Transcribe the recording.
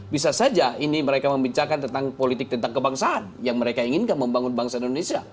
bisa saja ini mereka membicarakan tentang politik tentang kebangsaan yang mereka inginkan membangun bangsa indonesia